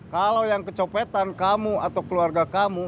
kalau yang kecopetan kamu atau keluarga kamu